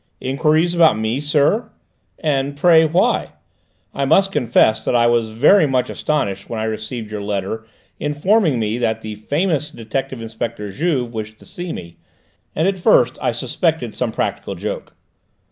"Enquiries about me, sir? And pray, why? I must confess that I was very much astonished when I received your letter informing me that the famous Detective Inspector Juve wished to see me, and at first I suspected some practical joke.